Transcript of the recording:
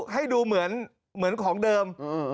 ให้ดูเหมือนของเดิม